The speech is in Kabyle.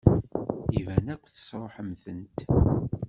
Iban akk tesṛuḥem-tent.